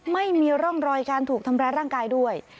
ไม่มีร่องรอยการถูกทำร้ายร่างกายด้วย